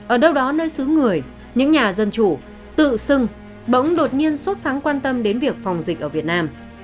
ở đâu đó nơi xứ người những nhà dân chủ tự xưng bỗng đột nhiên sốt sáng quan tâm đến việc phòng dịch ở việt nam